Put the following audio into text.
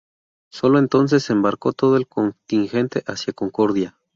Solo entonces embarcó todo el contingente hacia Concordia.